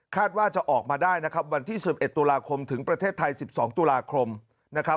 ว่าจะออกมาได้นะครับวันที่๑๑ตุลาคมถึงประเทศไทย๑๒ตุลาคมนะครับ